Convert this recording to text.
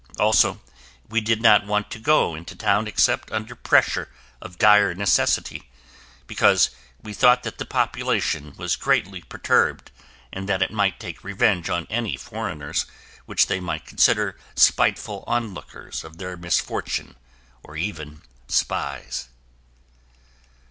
Also, we did not want to go into town except under pressure of dire necessity, because we thought that the population was greatly perturbed and that it might take revenge on any foreigners which they might consider spiteful onlookers of their misfortune, or even spies.